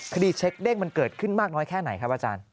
เช็คเด้งมันเกิดขึ้นมากน้อยแค่ไหนครับอาจารย์